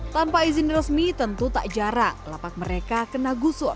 tanpa izin resmi tentu tak jarang lapak mereka kena gusur